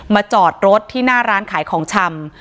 จอดรถที่หน้าร้านขายของชำ